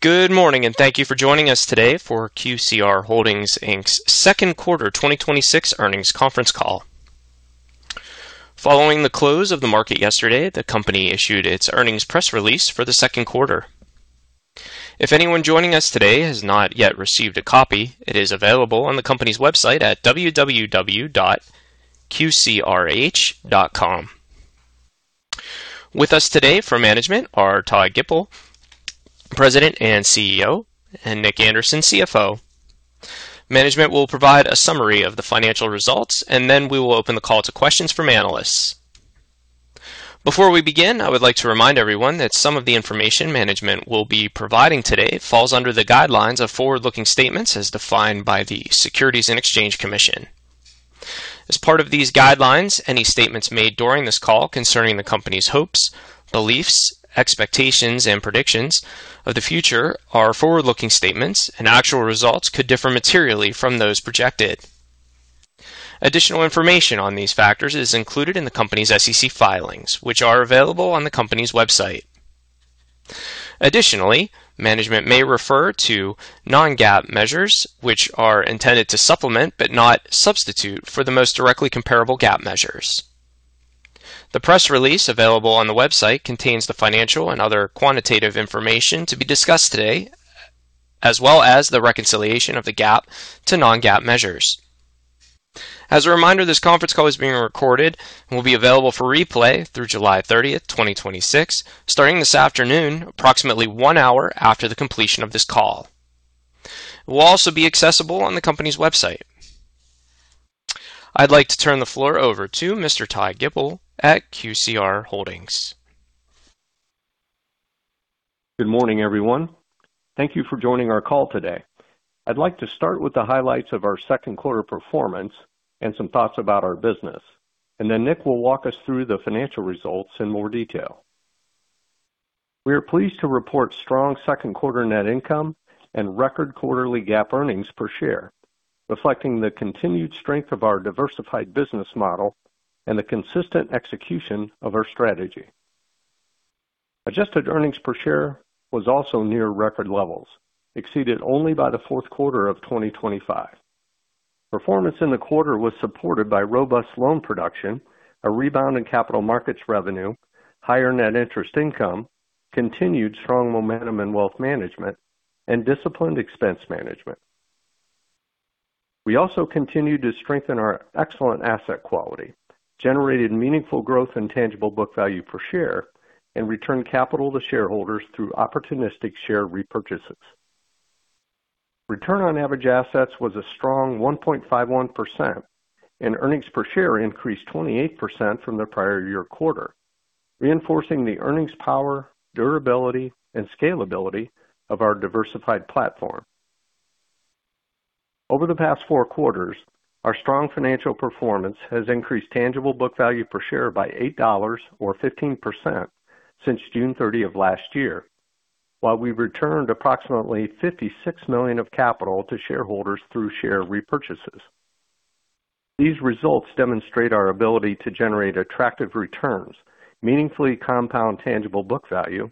Good morning, and thank you for joining us today for QCR Holdings Inc.'s second quarter 2026 earnings conference call. Following the close of the market yesterday, the company issued its earnings press release for the second quarter. If anyone joining us today has not yet received a copy, it is available on the company's website at www.qcrh.com. With us today for management are Todd Gipple, President and CEO, and Nick Anderson, CFO. Management will provide a summary of the financial results, and then we will open the call to questions from analysts. Before we begin, I would like to remind everyone that some of the information management will be providing today falls under the guidelines of forward-looking statements as defined by the Securities and Exchange Commission. As part of these guidelines, any statements made during this call concerning the company's hopes, beliefs, expectations, and predictions of the future are forward-looking statements, and actual results could differ materially from those projected. Additional information on these factors is included in the company's SEC filings, which are available on the company's website. Additionally, management may refer to Non-GAAP measures, which are intended to supplement, but not substitute for, the most directly comparable GAAP measures. The press release available on the website contains the financial and other quantitative information to be discussed today, as well as the reconciliation of the GAAP to Non-GAAP measures. As a reminder, this conference call is being recorded and will be available for replay through July 30th, 2026, starting this afternoon, approximately one hour after the completion of this call. It will also be accessible on the company's website. I'd like to turn the floor over to Mr. Todd Gipple at QCR Holdings. Good morning, everyone. Thank you for joining our call today. I'd like to start with the highlights of our second quarter performance and some thoughts about our business, and then Nick will walk us through the financial results in more detail. We are pleased to report strong second quarter net income and record quarterly GAAP earnings per share, reflecting the continued strength of our diversified business model and the consistent execution of our strategy. Adjusted earnings per share was also near record levels, exceeded only by the fourth quarter of 2025. Performance in the quarter was supported by robust loan production, a rebound in capital markets revenue, higher net interest income, continued strong momentum in wealth management, and disciplined expense management. We also continued to strengthen our excellent asset quality, generated meaningful growth in tangible book value per share, and returned capital to shareholders through opportunistic share repurchases. Return on average assets was a strong 1.51%, and earnings per share increased 28% from the prior year quarter, reinforcing the earnings power, durability, and scalability of our diversified platform. Over the past four quarters, our strong financial performance has increased tangible book value per share by $8, or 15%, since June 30 of last year. While we returned approximately $56 million of capital to shareholders through share repurchases. These results demonstrate our ability to generate attractive returns, meaningfully compound tangible book value,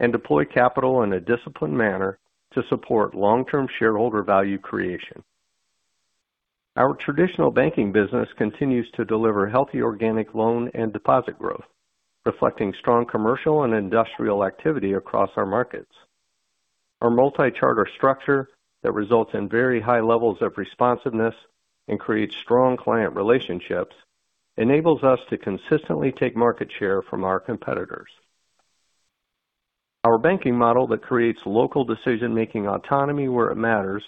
and deploy capital in a disciplined manner to support long-term shareholder value creation. Our traditional banking business continues to deliver healthy organic loan and deposit growth, reflecting strong commercial and industrial activity across our markets. Our multi-charter structure that results in very high levels of responsiveness and creates strong client relationships enables us to consistently take market share from our competitors. Our banking model that creates local decision-making autonomy where it matters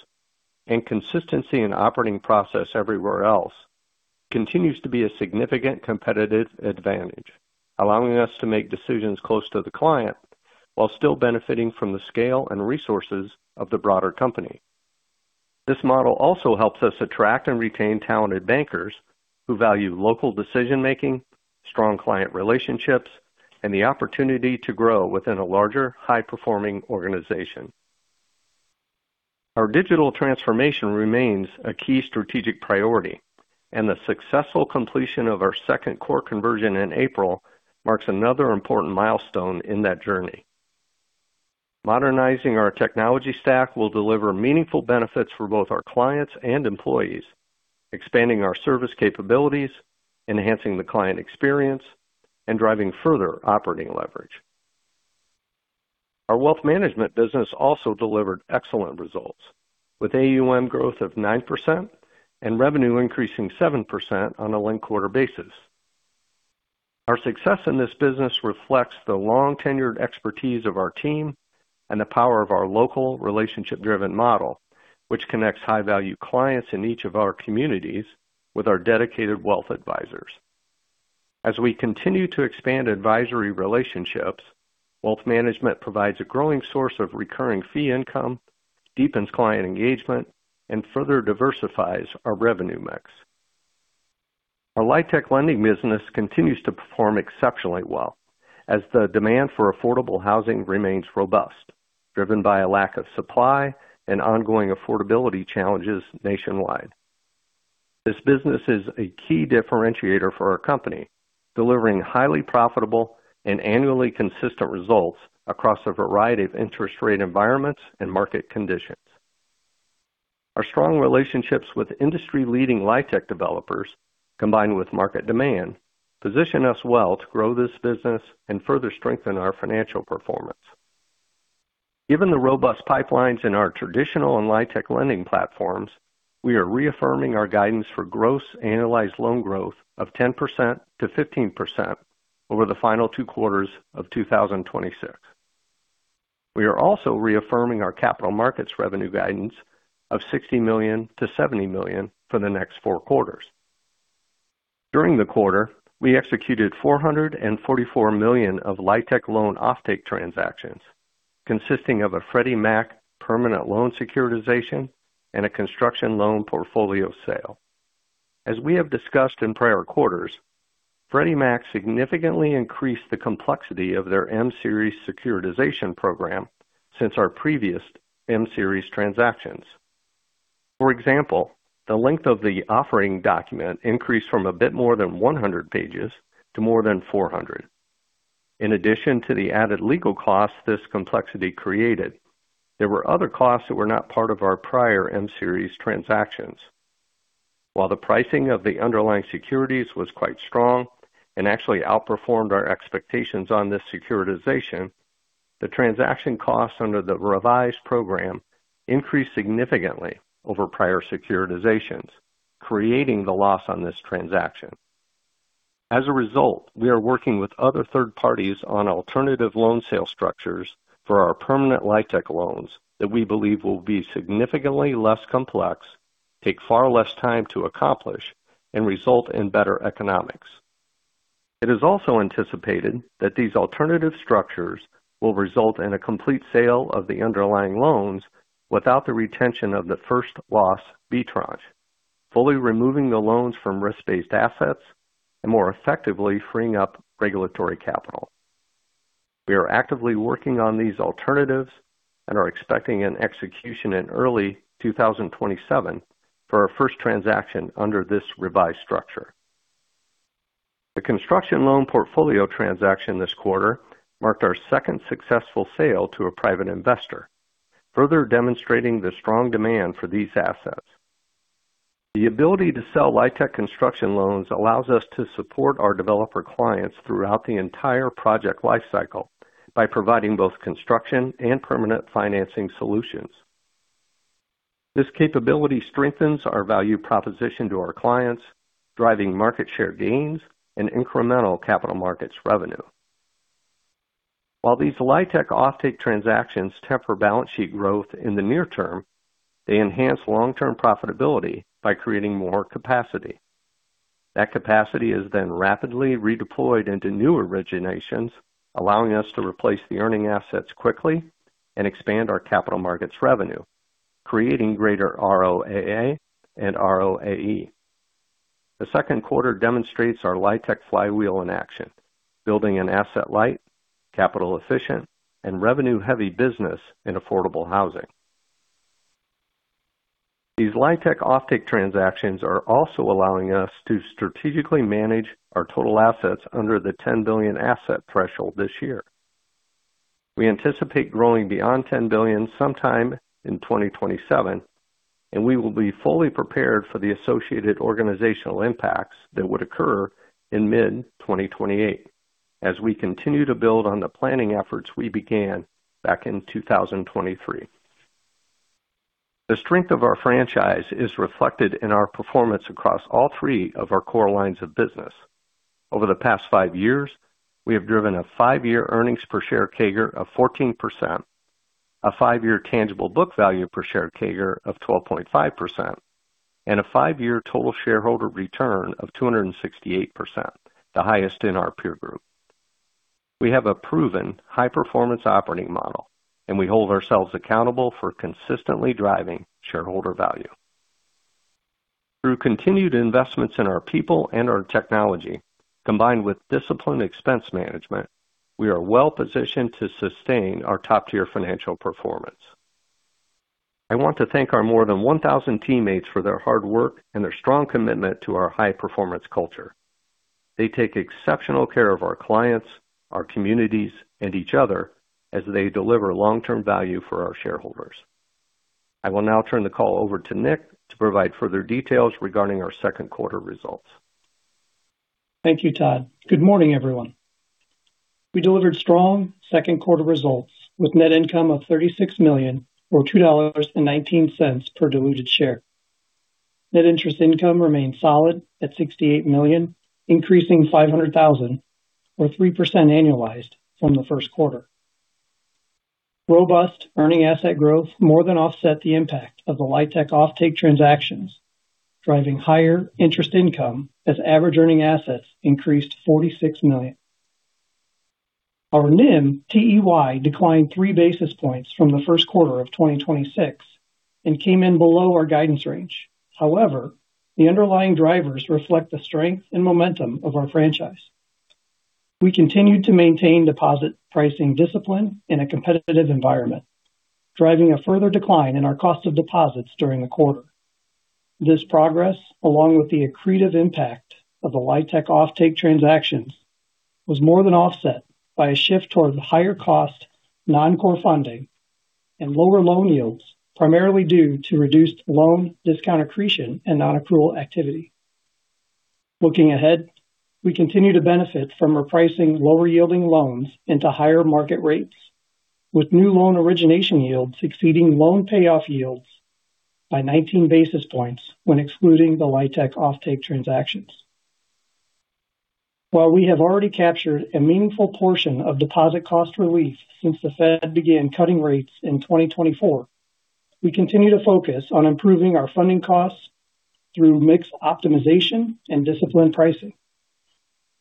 and consistency in operating process everywhere else continues to be a significant competitive advantage, allowing us to make decisions close to the client while still benefiting from the scale and resources of the broader company. This model also helps us attract and retain talented bankers who value local decision-making, strong client relationships, and the opportunity to grow within a larger, high-performing organization. Our digital transformation remains a key strategic priority, and the successful completion of our second core conversion in April marks another important milestone in that journey. Modernizing our technology stack will deliver meaningful benefits for both our clients and employees, expanding our service capabilities, enhancing the client experience, and driving further operating leverage. Our wealth management business also delivered excellent results, with AUM growth of 9% and revenue increasing 7% on a linked quarter basis. Our success in this business reflects the long-tenured expertise of our team and the power of our local relationship-driven model, which connects high-value clients in each of our communities with our dedicated wealth advisors. As we continue to expand advisory relationships, wealth management provides a growing source of recurring fee income, deepens client engagement, and further diversifies our revenue mix. Our LIHTC lending business continues to perform exceptionally well as the demand for affordable housing remains robust, driven by a lack of supply and ongoing affordability challenges nationwide. This business is a key differentiator for our company, delivering highly profitable and annually consistent results across a variety of interest rate environments and market conditions. Our strong relationships with industry-leading LIHTC developers, combined with market demand, position us well to grow this business and further strengthen our financial performance. Given the robust pipelines in our traditional and LIHTC lending platforms, we are reaffirming our guidance for gross annualized loan growth of 10%-15% over the final two quarters of 2026. We are also reaffirming our capital markets revenue guidance of $60 million-$70 million for the next four quarters. During the quarter, we executed $444 million of LIHTC loan offtake transactions consisting of a Freddie Mac permanent loan securitization and a construction loan portfolio sale. As we have discussed in prior quarters, Freddie Mac significantly increased the complexity of their M-Deal securitization program since our previous M-Deal transactions. For example, the length of the offering document increased from a bit more than 100 pages to more than 400. In addition to the added legal costs this complexity created, there were other costs that were not part of our prior M-Deal transactions. While the pricing of the underlying securities was quite strong and actually outperformed our expectations on this securitization, the transaction costs under the revised program increased significantly over prior securitizations, creating the loss on this transaction. As a result, we are working with other third parties on alternative loan sale structures for our permanent LIHTC loans that we believe will be significantly less complex, take far less time to accomplish, and result in better economics. It is also anticipated that these alternative structures will result in a complete sale of the underlying loans without the retention of the first-loss B tranche, fully removing the loans from risk-based assets, and more effectively freeing up regulatory capital. We are actively working on these alternatives and are expecting an execution in early 2027 for our first transaction under this revised structure. The construction loan portfolio transaction this quarter marked our second successful sale to a private investor, further demonstrating the strong demand for these assets. The ability to sell LIHTC construction loans allows us to support our developer clients throughout the entire project life cycle by providing both construction and permanent financing solutions. This capability strengthens our value proposition to our clients, driving market share gains and incremental capital markets revenue. While these LIHTC offtake transactions temper balance sheet growth in the near term, they enhance long-term profitability by creating more capacity. That capacity is then rapidly redeployed into new originations, allowing us to replace the earning assets quickly and expand our capital markets revenue, creating greater ROAA and ROAE. The second quarter demonstrates our LIHTC flywheel in action, building an asset-light, capital-efficient, and revenue-heavy business in affordable housing. These LIHTC offtake transactions are also allowing us to strategically manage our total assets under the $10 billion asset threshold this year. We anticipate growing beyond $10 billion sometime in 2027, and we will be fully prepared for the associated organizational impacts that would occur in mid-2028 as we continue to build on the planning efforts we began back in 2023. The strength of our franchise is reflected in our performance across all three of our core lines of business. Over the past five years, we have driven a five-year earnings-per-share CAGR of 14%, a five-year tangible book value per share CAGR of 12.5%, and a five-year total shareholder return of 268%, the highest in our peer group. We have a proven high-performance operating model, and we hold ourselves accountable for consistently driving shareholder value. Through continued investments in our people and our technology, combined with disciplined expense management, we are well-positioned to sustain our top-tier financial performance. I want to thank our more than 1,000 teammates for their hard work and their strong commitment to our high-performance culture. They take exceptional care of our clients, our communities, and each other as they deliver long-term value for our shareholders. I will now turn the call over to Nick to provide further details regarding our second quarter results. Thank you, Todd. Good morning, everyone. We delivered strong second quarter results with net income of $36 million or $2.19 per diluted share. Net interest income remained solid at $68 million, increasing $500,000, or 3% annualized from the first quarter. Robust earning asset growth more than offset the impact of the LIHTC offtake transactions, driving higher interest income as average earning assets increased $46 million. Our NIM TEY declined three basis points from the first quarter of 2026 and came in below our guidance range. However, the underlying drivers reflect the strength and momentum of our franchise. We continued to maintain deposit pricing discipline in a competitive environment, driving a further decline in our cost of deposits during the quarter. This progress, along with the accretive impact of the LIHTC offtake transactions, was more than offset by a shift towards higher cost non-core funding and lower loan yields, primarily due to reduced loan discount accretion and non-accrual activity. Looking ahead, we continue to benefit from repricing lower yielding loans into higher market rates, with new loan origination yields exceeding loan payoff yields by 19 basis points when excluding the LIHTC offtake transactions. While we have already captured a meaningful portion of deposit cost relief since the Fed began cutting rates in 2024, we continue to focus on improving our funding costs through mix optimization and disciplined pricing.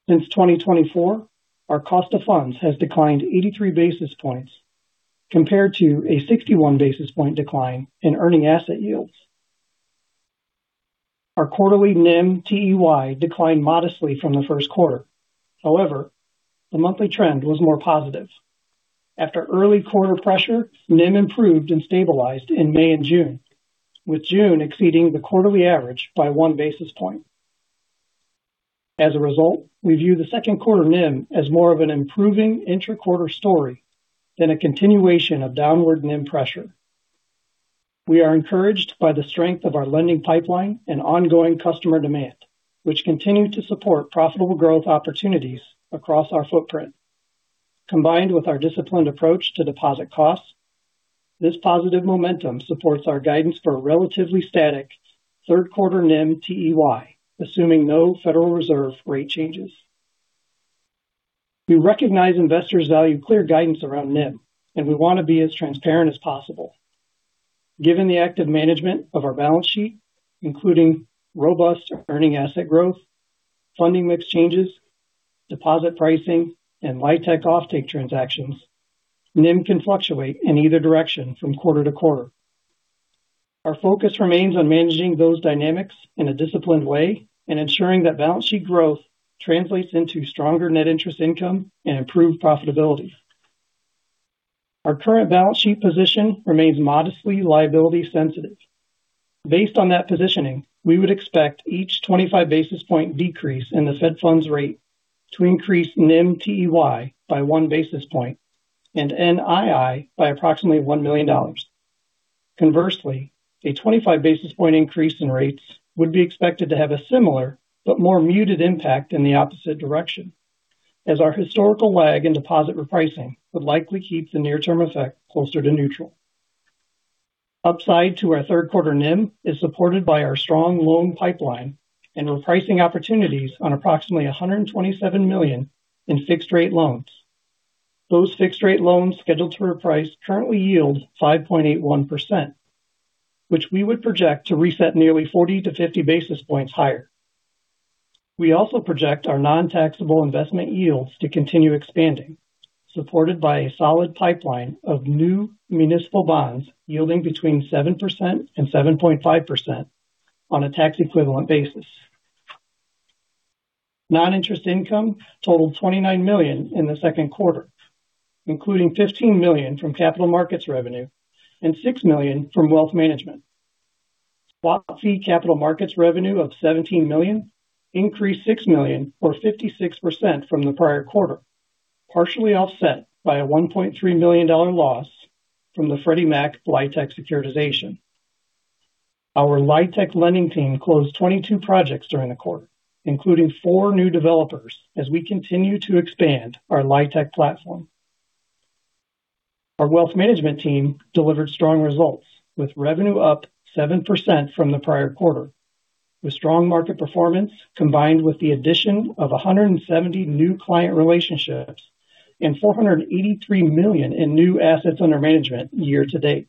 Since 2024, our cost of funds has declined 83 basis points compared to a 61 basis point decline in earning asset yields. Our quarterly NIM TEY declined modestly from the first quarter. However, the monthly trend was more positive. After early quarter pressure, NIM improved and stabilized in May and June, with June exceeding the quarterly average by one basis point. As a result, we view the second quarter NIM as more of an improving intra-quarter story than a continuation of downward NIM pressure. We are encouraged by the strength of our lending pipeline and ongoing customer demand, which continue to support profitable growth opportunities across our footprint. Combined with our disciplined approach to deposit costs, this positive momentum supports our guidance for a relatively static third quarter NIM TEY, assuming no Federal Reserve rate changes. We recognize investors value clear guidance around NIM, and we want to be as transparent as possible. Given the active management of our balance sheet, including robust earning asset growth, funding mix changes, deposit pricing, and LIHTC offtake transactions, NIM can fluctuate in either direction from quarter to quarter. Our focus remains on managing those dynamics in a disciplined way and ensuring that balance sheet growth translates into stronger net interest income and improved profitability. Our current balance sheet position remains modestly liability sensitive. Based on that positioning, we would expect each 25 basis point decrease in the Fed funds rate to increase NIM TEY by one basis point and NII by approximately $1 million. Conversely, a 25 basis point increase in rates would be expected to have a similar but more muted impact in the opposite direction, as our historical lag in deposit repricing would likely keep the near term effect closer to neutral. Upside to our third quarter NIM is supported by our strong loan pipeline and repricing opportunities on approximately $127 million in fixed rate loans. Those fixed rate loans scheduled to reprice currently yield 5.81%, which we would project to reset nearly 40 to 50 basis points higher. We also project our non-taxable investment yields to continue expanding, supported by a solid pipeline of new municipal bonds yielding between 7% and 7.5% on a tax equivalent basis. Non-interest income totaled $29 million in the second quarter, including $15 million from capital markets revenue and $6 million from wealth management. WAC fee capital markets revenue of $17 million increased $6 million or 56% from the prior quarter, partially offset by a $1.3 million loss from the Freddie Mac LIHTC securitization. Our LIHTC lending team closed 22 projects during the quarter, including four new developers, as we continue to expand our LIHTC platform. Our wealth management team delivered strong results with revenue up 7% from the prior quarter, with strong market performance combined with the addition of 170 new client relationships and $483 million in new assets under management year to date.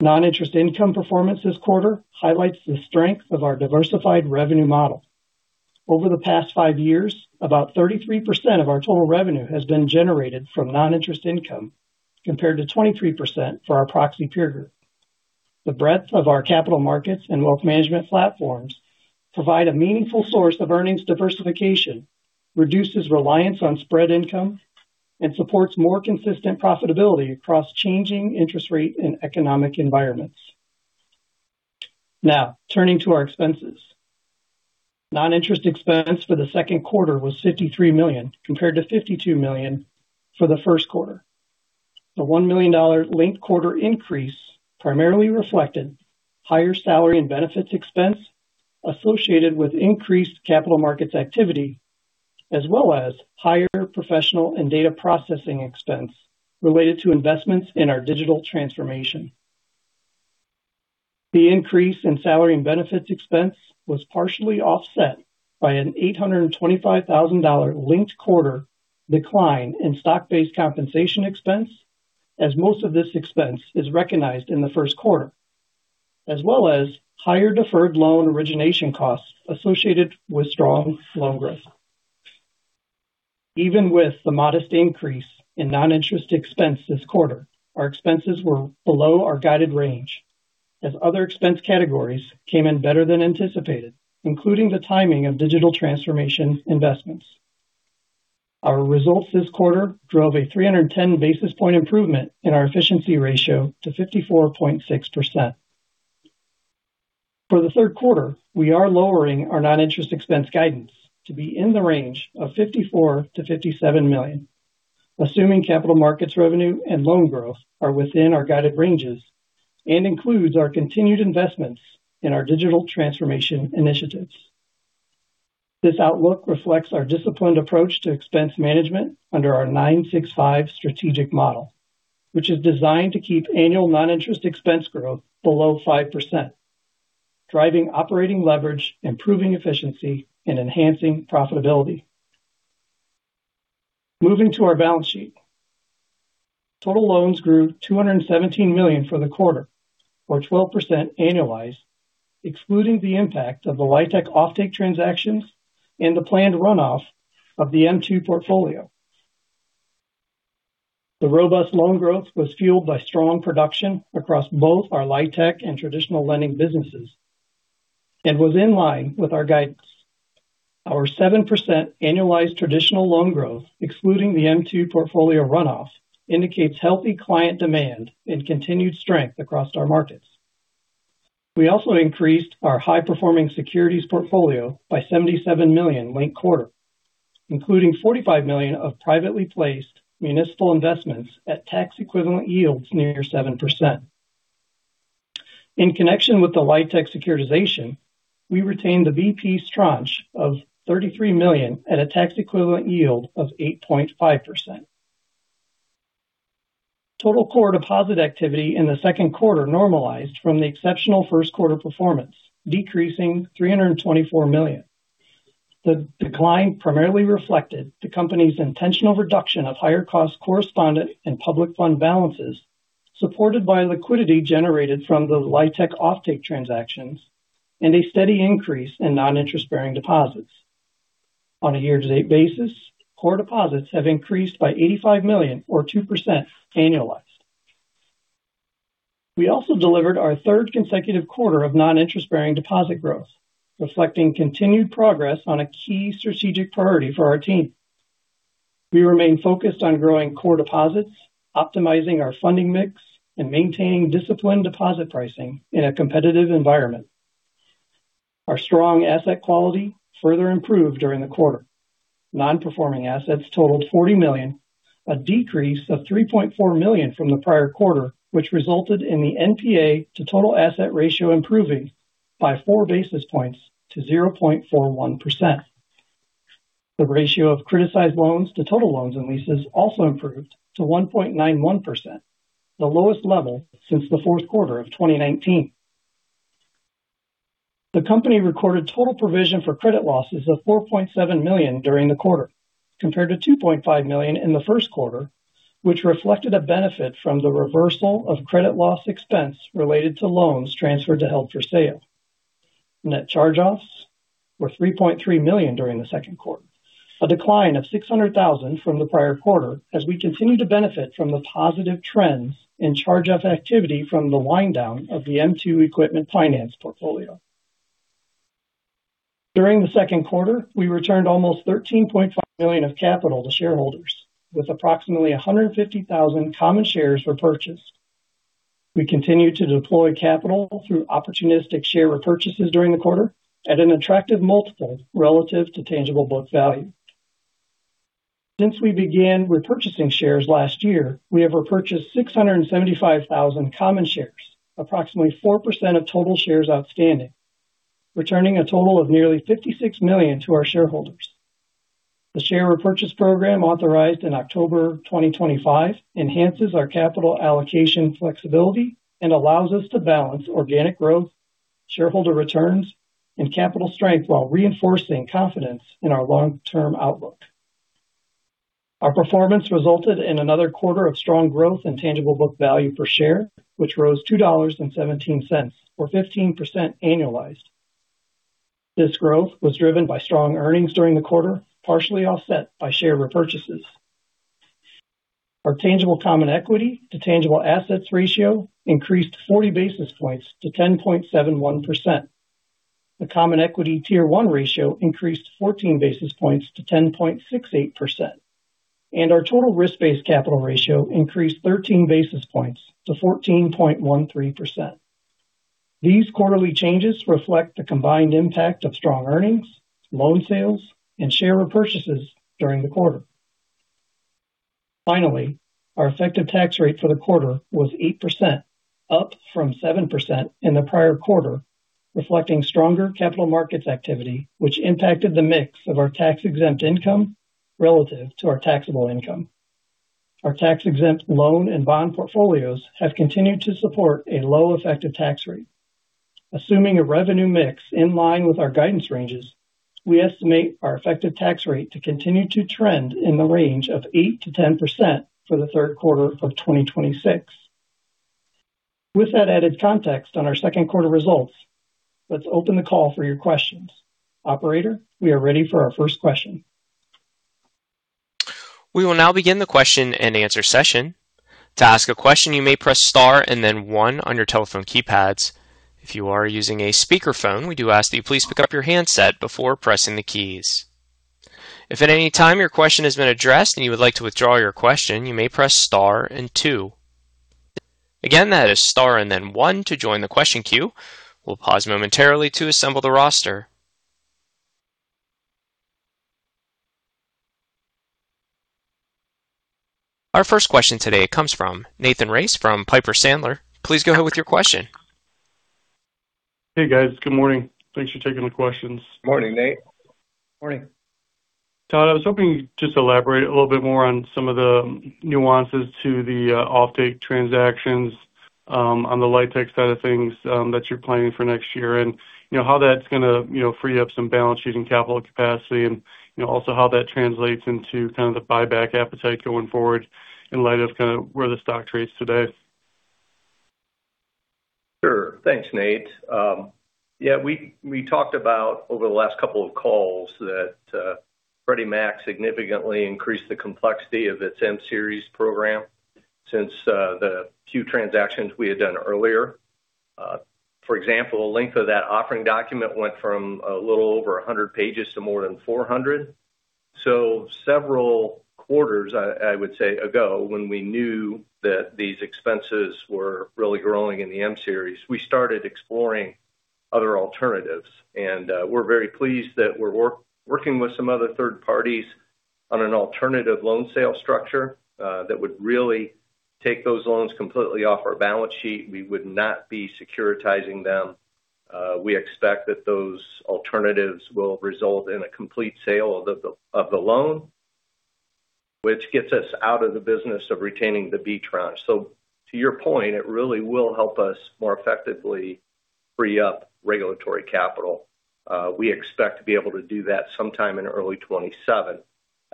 Non-interest income performance this quarter highlights the strength of our diversified revenue model. Over the past five years, about 33% of our total revenue has been generated from non-interest income, compared to 23% for our proxy peer group. The breadth of our capital markets and wealth management platforms provide a meaningful source of earnings diversification, reduces reliance on spread income, and supports more consistent profitability across changing interest rate and economic environments. Now, turning to our expenses. Non-interest expense for the second quarter was $53 million, compared to $52 million for the first quarter. The $1 million linked quarter increase primarily reflected higher salary and benefits expense associated with increased capital markets activity, as well as higher professional and data processing expense related to investments in our digital transformation. The increase in salary and benefits expense was partially offset by an $825,000 linked quarter decline in stock-based compensation expense, as most of this expense is recognized in the first quarter, as well as higher deferred loan origination costs associated with strong loan growth. Even with the modest increase in non-interest expense this quarter, our expenses were below our guided range as other expense categories came in better than anticipated, including the timing of digital transformation investments. Our results this quarter drove a 310 basis point improvement in our efficiency ratio to 54.6%. For the third quarter, we are lowering our non-interest expense guidance to be in the range of $54 million to $57 million, assuming capital markets revenue and loan growth are within our guided ranges and includes our continued investments in our digital transformation initiatives. This outlook reflects our disciplined approach to expense management under our 9-6-5 strategic model, which is designed to keep annual non-interest expense growth below 5%, driving operating leverage, improving efficiency, and enhancing profitability. Moving to our balance sheet. Total loans grew $217 million for the quarter, or 12% annualized, excluding the impact of the LIHTC offtake transactions and the planned runoff of the M2 portfolio. The robust loan growth was fueled by strong production across both our LIHTC and traditional lending businesses and was in line with our guidance. Our 7% annualized traditional loan growth, excluding the m2 portfolio runoff, indicates healthy client demand and continued strength across our markets. We also increased our high-performing securities portfolio by $77 million linked quarter, including $45 million of privately placed municipal investments at tax-equivalent yields near 7%. In connection with the LIHTC securitization, we retained the B-piece tranche of $33 million at a tax-equivalent yield of 8.5%. Total core deposit activity in the second quarter normalized from the exceptional first quarter performance, decreasing $324 million. The decline primarily reflected the company's intentional reduction of higher cost correspondent and public fund balances supported by liquidity generated from the LIHTC offtake transactions and a steady increase in non-interest-bearing deposits. On a year-to-date basis, core deposits have increased by $85 million or 2% annualized. We also delivered our third consecutive quarter of non-interest-bearing deposit growth, reflecting continued progress on a key strategic priority for our team. We remain focused on growing core deposits, optimizing our funding mix, and maintaining disciplined deposit pricing in a competitive environment. Our strong asset quality further improved during the quarter. Non-performing assets totaled $40 million, a decrease of $3.4 million from the prior quarter, which resulted in the NPA to total asset ratio improving by four basis points to 0.41%. The ratio of criticized loans to total loans and leases also improved to 1.91%, the lowest level since the fourth quarter of 2019. The company recorded total provision for credit losses of $4.7 million during the quarter, compared to $2.5 million in the first quarter, which reflected a benefit from the reversal of credit loss expense related to loans transferred to held for sale. Net charge-offs were $3.3 million during the second quarter, a decline of $600,000 from the prior quarter as we continue to benefit from the positive trends in charge-off activity from the wind down of the m2 Equipment Finance portfolio. During the second quarter, we returned almost $13.5 million of capital to shareholders, with approximately 150,000 common shares repurchased. We continued to deploy capital through opportunistic share repurchases during the quarter at an attractive multiple relative to tangible book value. Since we began repurchasing shares last year, we have repurchased 675,000 common shares, approximately 4% of total shares outstanding, returning a total of nearly $56 million to our shareholders. The share repurchase program authorized in October 2025 enhances our capital allocation flexibility and allows us to balance organic growth, shareholder returns, and capital strength while reinforcing confidence in our long-term outlook. Our performance resulted in another quarter of strong growth in tangible book value per share, which rose $2.17 or 15% annualized. This growth was driven by strong earnings during the quarter, partially offset by share repurchases. Our tangible common equity to tangible assets ratio increased 40 basis points to 10.71%. The common equity Tier 1 ratio increased 14 basis points to 10.68%, and our total risk-based capital ratio increased 13 basis points to 14.13%. These quarterly changes reflect the combined impact of strong earnings, loan sales, and share repurchases during the quarter. Finally, our effective tax rate for the quarter was 8%, up from 7% in the prior quarter, reflecting stronger capital markets activity, which impacted the mix of our tax-exempt income relative to our taxable income. Our tax-exempt loan and bond portfolios have continued to support a low effective tax rate. Assuming a revenue mix in line with our guidance ranges, we estimate our effective tax rate to continue to trend in the range of 8%-10% for the third quarter of 2026. With that added context on our second quarter results, let's open the call for your questions. Operator, we are ready for our first question. We will now begin the question and answer session. To ask a question, you may press star and then one on your telephone keypads. If you are using a speakerphone, we do ask that you please pick up your handset before pressing the keys. If at any time your question has been addressed and you would like to withdraw your question, you may press star and two. Again, that is star and then one to join the question queue. We'll pause momentarily to assemble the roster. Our first question today comes from Nathan Race from Piper Sandler. Please go ahead with your question. Hey, guys. Good morning. Thanks for taking the questions. Morning, Nate. Morning. Todd, I was hoping you could just elaborate a little bit more on some of the nuances to the offtake transactions on the LIHTC side of things that you're planning for next year, and how that's going to free up some balance sheet and capital capacity, and also how that translates into kind of the buyback appetite going forward in light of where the stock trades today. Sure. Thanks, Nate. Yeah, we talked about over the last couple of calls that Freddie Mac significantly increased the complexity of its M series program since the few transactions we had done earlier. For example, the length of that offering document went from a little over 100 pages to more than 400. Several quarters, I would say, ago, when we knew that these expenses were really growing in the M series, we started exploring other alternatives. We're very pleased that we're working with some other third parties on an alternative loan sale structure that would really take those loans completely off our balance sheet. We would not be securitizing them. We expect that those alternatives will result in a complete sale of the loan, which gets us out of the business of retaining the B tranche. To your point, it really will help us more effectively free up regulatory capital. We expect to be able to do that sometime in early 2027.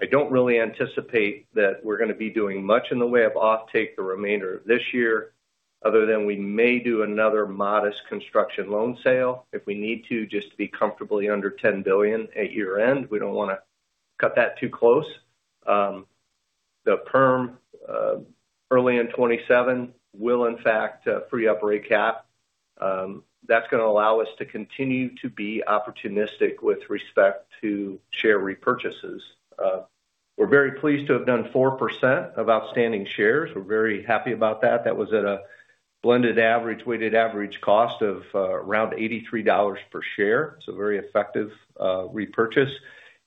I don't really anticipate that we're going to be doing much in the way of offtake the remainder of this year, other than we may do another modest construction loan sale if we need to, just to be comfortably under $10 billion at year-end. We don't want to cut that too close. The perm early in 2027 will in fact free up recap. That's going to allow us to continue to be opportunistic with respect to share repurchases. We're very pleased to have done 4% of outstanding shares. We're very happy about that. That was at a blended average, weighted average cost of around $83 per share. Very effective repurchase.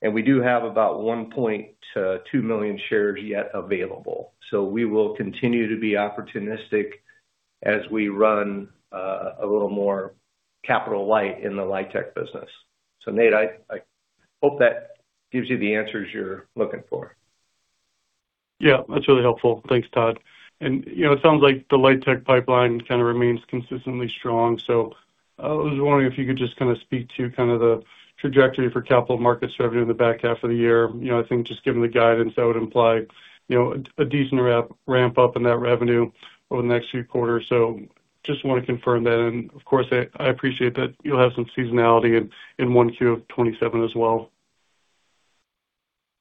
We do have about 1.2 million shares yet available. We will continue to be opportunistic as we run a little more capital light in the LIHTC business. Nate, I hope that gives you the answers you're looking for. Yeah. That's really helpful. Thanks, Todd. It sounds like the LIHTC pipeline kind of remains consistently strong. I was wondering if you could just speak to kind of the trajectory for capital markets revenue in the back half of the year. I think just given the guidance, that would imply a decent ramp-up in that revenue over the next few quarters. Just want to confirm that. Of course, I appreciate that you'll have some seasonality in 1Q of 2027 as well.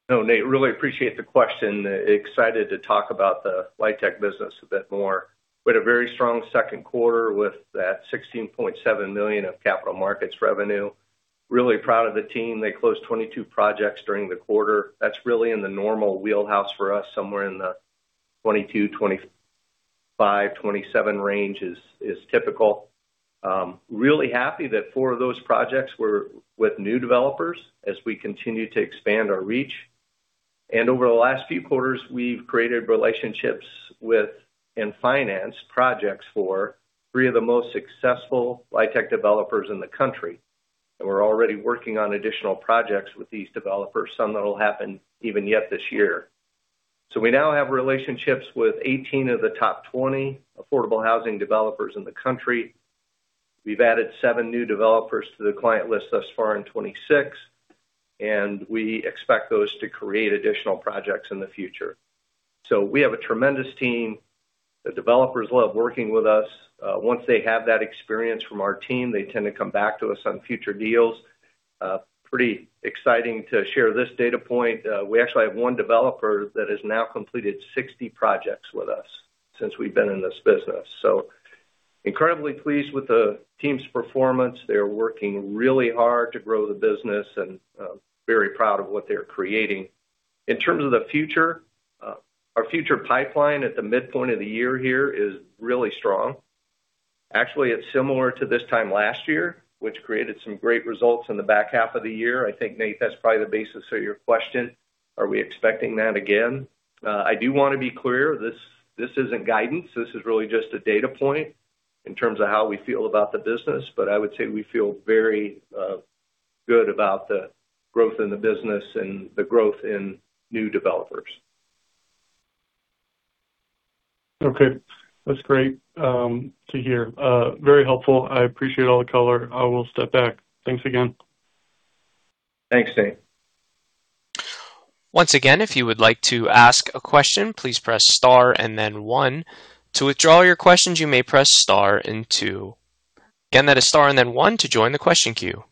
No, Nate, really appreciate the question. Excited to talk about the LIHTC business a bit more. We had a very strong second quarter with that $16.7 million of capital markets revenue. Really proud of the team. They closed 22 projects during the quarter. That's really in the normal wheelhouse for us. Somewhere in the 22, 25, 27 range is typical. Really happy that four of those projects were with new developers as we continue to expand our reach. Over the last few quarters, we've created relationships with and financed projects for three of the most successful LIHTC developers in the country. We're already working on additional projects with these developers, some that'll happen even yet this year. We now have relationships with 18 of the top 20 affordable housing developers in the country. We've added seven new developers to the client list thus far in 2026. We expect those to create additional projects in the future. We have a tremendous team. The developers love working with us. Once they have that experience from our team, they tend to come back to us on future deals. Pretty exciting to share this data point. We actually have one developer that has now completed 60 projects with us since we've been in this business. Incredibly pleased with the team's performance. They are working really hard to grow the business, and very proud of what they are creating. In terms of the future, our future pipeline at the midpoint of the year here is really strong. Actually, it's similar to this time last year, which created some great results in the back half of the year. I think, Nate, that's probably the basis of your question. Are we expecting that again? I do want to be clear, this isn't guidance. This is really just a data point in terms of how we feel about the business. I would say we feel very good about the growth in the business and the growth in new developers. Okay. That's great to hear. Very helpful. I appreciate all the color. I will step back. Thanks again. Thanks, Nate. Once again, if you would like to ask a question, please press star and then one. To withdraw your questions, you may press star and two. Again, that is star and then one to join the question queue.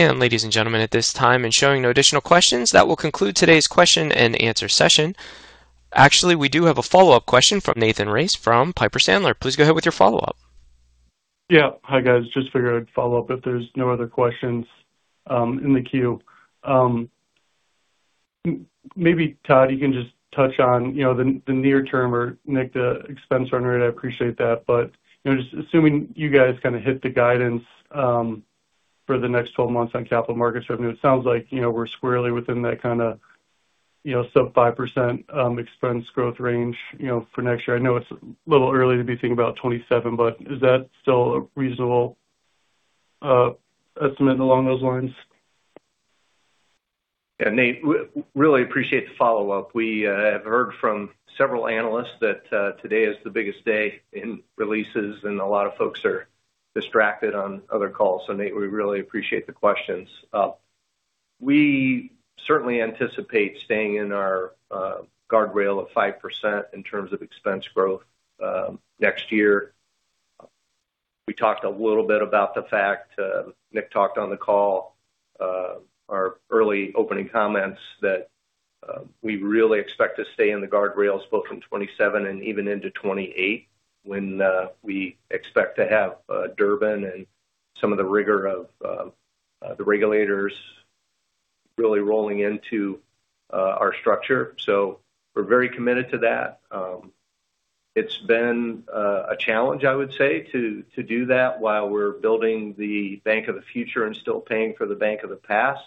Ladies and gentlemen, at this time and showing no additional questions, that will conclude today's question and answer session. Actually, we do have a follow-up question from Nathan Race from Piper Sandler. Please go ahead with your follow-up. Yeah. Hi, guys. Just figured I'd follow up if there's no other questions in the queue. Maybe Todd, you can just touch on the near term or Nick, the expense run rate. I appreciate that. Just assuming you guys kind of hit the guidance for the next 12 months on capital markets revenue, it sounds like we're squarely within that kind of sub 5% expense growth range for next year. I know it's a little early to be thinking about 2027, but is that still a reasonable estimate along those lines? Nate, really appreciate the follow-up. We have heard from several analysts that today is the biggest day in releases, and a lot of folks are distracted on other calls. Nate, we really appreciate the questions. We certainly anticipate staying in our guardrail of 5% in terms of expense growth next year. We talked a little bit about the fact, Nick talked on the call, our early opening comments that we really expect to stay in the guardrails both in 2027 and even into 2028 when we expect to have Durbin and some of the rigor of the regulators really rolling into our structure. We're very committed to that. It's been a challenge, I would say, to do that while we're building the bank of the future and still paying for the bank of the past.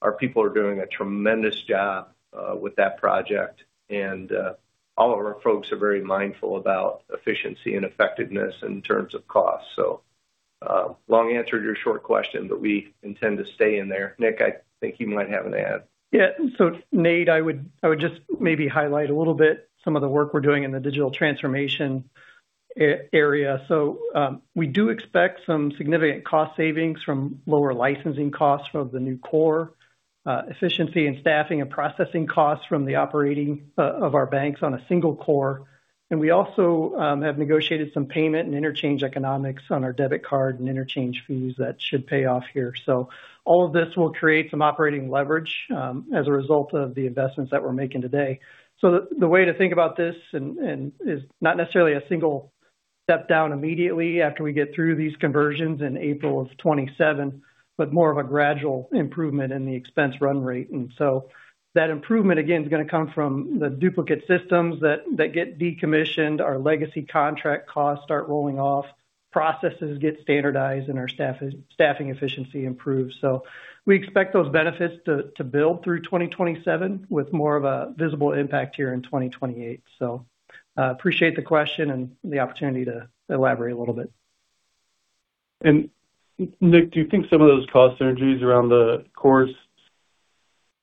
Our people are doing a tremendous job with that project. All of our folks are very mindful about efficiency and effectiveness in terms of cost. Long answer to your short question, we intend to stay in there. Nick, I think you might have an add. Nate, I would just maybe highlight a little bit some of the work we're doing in the digital transformation area. We do expect some significant cost savings from lower licensing costs from the new core. Efficiency in staffing and processing costs from the operating of our banks on a single core. We also have negotiated some payment and interchange economics on our debit card and interchange fees that should pay off here. All of this will create some operating leverage as a result of the investments that we're making today. The way to think about this is not necessarily a single step down immediately after we get through these conversions in April of 2027, but more of a gradual improvement in the expense run rate. That improvement again, is going to come from the duplicate systems that get decommissioned. Our legacy contract costs start rolling off. Processes get standardized and our staffing efficiency improves. We expect those benefits to build through 2027 with more of a visible impact here in 2028. Appreciate the question and the opportunity to elaborate a little bit. Nick, do you think some of those cost synergies around the course,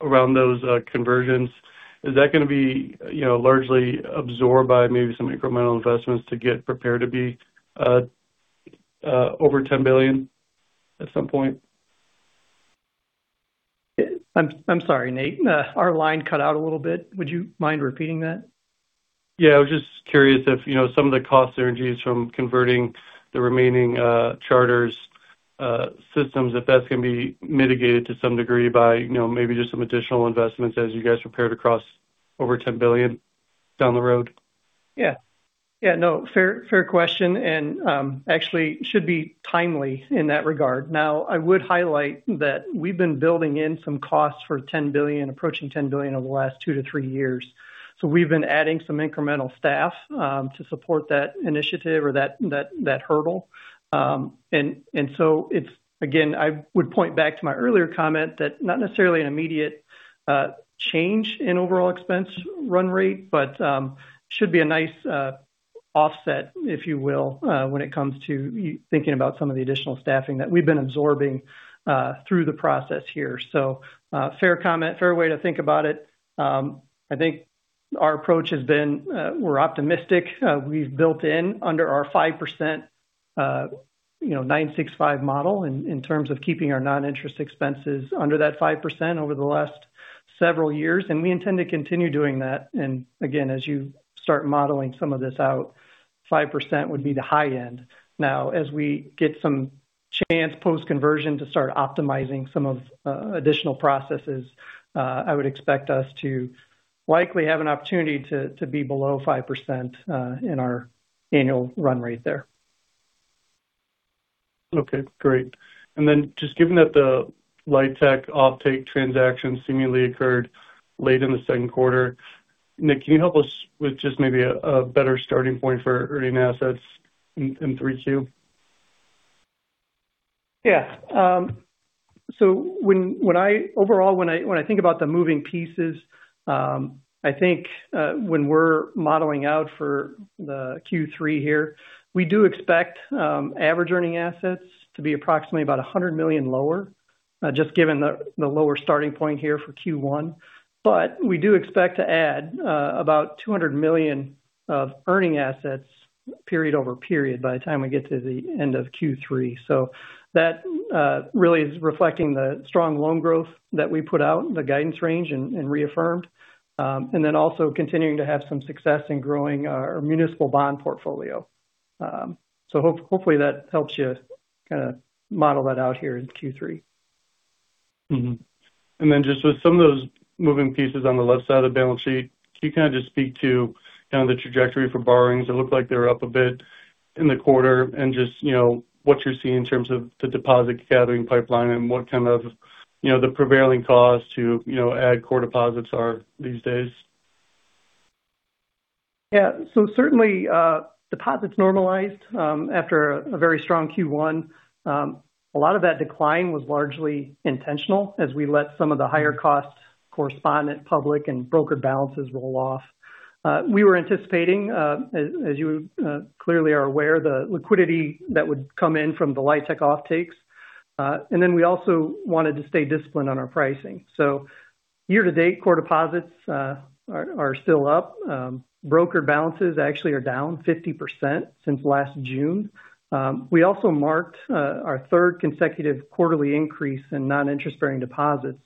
around those conversions, is that going to be largely absorbed by maybe some incremental investments to get prepared to be over 10 billion at some point? I'm sorry, Nate. Our line cut out a little bit. Would you mind repeating that? I was just curious if some of the cost synergies from converting the remaining charters systems, if that's going to be mitigated to some degree by maybe just some additional investments as you guys prepare to cross over 10 billion down the road. Fair question. Actually should be timely in that regard. I would highlight that we've been building in some costs for 10 billion, approaching 10 billion over the last two to three years. We've been adding some incremental staff to support that initiative or that hurdle. It's, again, I would point back to my earlier comment that not necessarily an immediate change in overall expense run rate, but should be a nice offset, if you will, when it comes to thinking about some of the additional staffing that we've been absorbing through the process here. Fair comment, fair way to think about it. I think our approach has been we're optimistic. We've built in under our 5%, 9-6-5 model in terms of keeping our non-interest expenses under that 5% over the last several years. We intend to continue doing that. as you start modeling some of this out, 5% would be the high end. Now, as we get some chance post-conversion to start optimizing some of additional processes, I would expect us to likely have an opportunity to be below 5% in our annual run rate there. Okay, great. Just given that the LIHTC offtake transaction seemingly occurred late in the second quarter. Nick, can you help us with just maybe a better starting point for earning assets in 3Q? Yeah. Overall, when I think about the moving pieces, I think when we're modeling out for the Q3 here, we do expect average earning assets to be approximately about $100 million lower Just given the lower starting point here for Q1. We do expect to add about $200 million of earning assets period over period by the time we get to the end of Q3. That really is reflecting the strong loan growth that we put out in the guidance range and reaffirmed. Also continuing to have some success in growing our municipal bond portfolio. Hopefully that helps you kind of model that out here in Q3. Mm-hmm. Just with some of those moving pieces on the left side of the balance sheet, can you kind of just speak to kind of the trajectory for borrowings? It looked like they were up a bit in the quarter and just what you're seeing in terms of the deposit gathering pipeline and what kind of the prevailing cause to add core deposits are these days. Yeah. Certainly, deposits normalized after a very strong Q1. A lot of that decline was largely intentional as we let some of the higher cost correspondent public and broker balances roll off. We were anticipating, as you clearly are aware, the liquidity that would come in from the LIHTC off-takes. We also wanted to stay disciplined on our pricing. Year to date, core deposits are still up. Broker balances actually are down 50% since last June. We also marked our third consecutive quarterly increase in non-interest bearing deposits,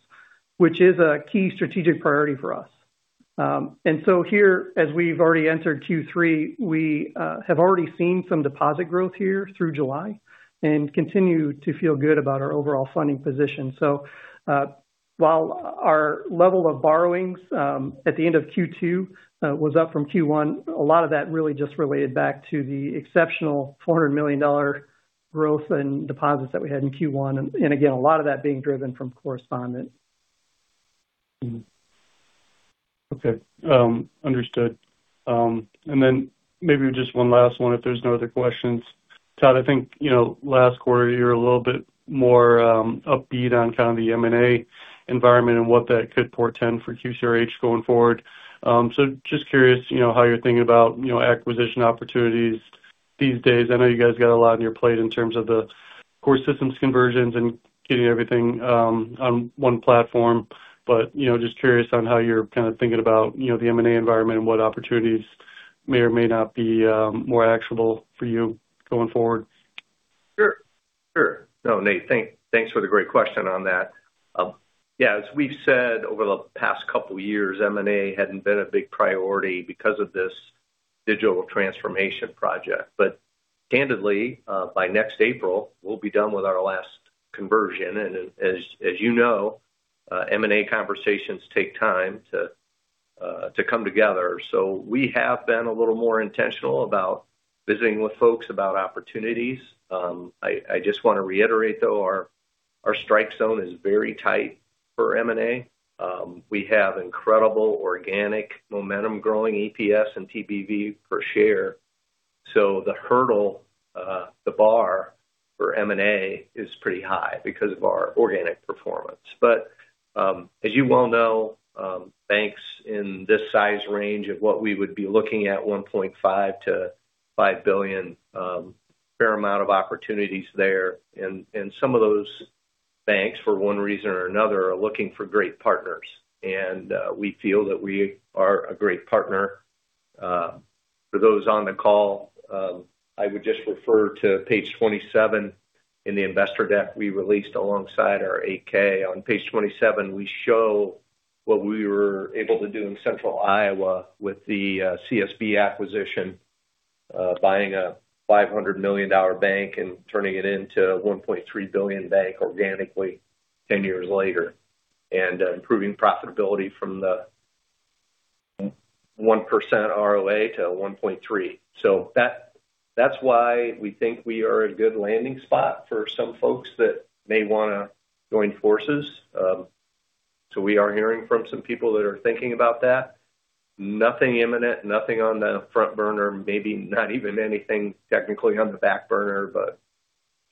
which is a key strategic priority for us. Here, as we've already entered Q3, we have already seen some deposit growth here through July and continue to feel good about our overall funding position. While our level of borrowings at the end of Q2 was up from Q1, a lot of that really just related back to the exceptional $400 million growth in deposits that we had in Q1, and again, a lot of that being driven from correspondent. Okay. Understood. Maybe just one last one if there's no other questions. Todd, I think, last quarter you were a little bit more upbeat on kind of the M&A environment and what that could portend for QCRH going forward. Just curious how you're thinking about acquisition opportunities these days. I know you guys got a lot on your plate in terms of the core systems conversions and getting everything on one platform, but just curious on how you're kind of thinking about the M&A environment and what opportunities may or may not be more actionable for you going forward. Sure. Sure. No, Nate, thanks for the great question on that. Yeah, as we've said over the past couple years, M&A hadn't been a big priority because of this digital transformation project. Candidly, by next April, we'll be done with our last conversion, and as you know, M&A conversations take time to come together. We have been a little more intentional about visiting with folks about opportunities. I just want to reiterate, though, our strike zone is very tight for M&A. We have incredible organic momentum growing EPS and TBV per share. The hurdle, the bar for M&A is pretty high because of our organic performance. As you well know, banks in this size range of what we would be looking at, $1.5 billion-$5 billion, fair amount of opportunities there. Some of those banks, for one reason or another, are looking for great partners. We feel that we are a great partner. For those on the call, I would just refer to page 27 in the investor deck we released alongside our 8-K. On page 27, we show what we were able to do in central Iowa with the CSB acquisition, buying a $500 million bank and turning it into a $1.3 billion bank organically 10 years later, and improving profitability from the 1% ROA to a 1.3%. That's why we think we are a good landing spot for some folks that may want to join forces. We are hearing from some people that are thinking about that. Nothing imminent, nothing on the front burner, maybe not even anything technically on the back burner, but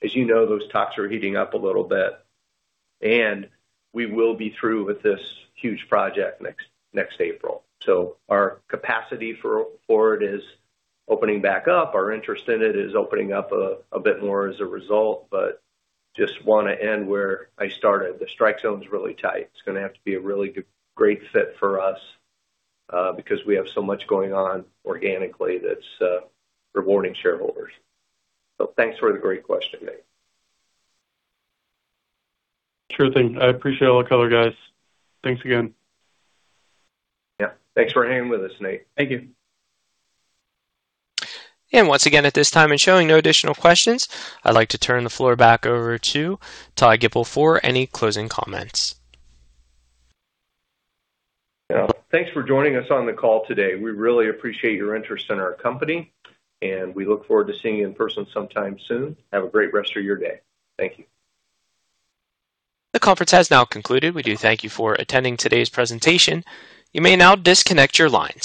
as you know, those talks are heating up a little bit. We will be through with this huge project next April. Our capacity for it is opening back up. Our interest in it is opening up a bit more as a result, but just want to end where I started. The strike zone's really tight. It's going to have to be a really great fit for us because we have so much going on organically that's rewarding shareholders. Thanks for the great question, Nate. Sure thing. I appreciate all the color, guys. Thanks again. Yeah. Thanks for hanging with us, Nate. Thank you. Once again, at this time and showing no additional questions, I'd like to turn the floor back over to Todd Gipple for any closing comments. Yeah. Thanks for joining us on the call today. We really appreciate your interest in our company, and we look forward to seeing you in person sometime soon. Have a great rest of your day. Thank you. The conference has now concluded. We do thank you for attending today's presentation. You may now disconnect your lines.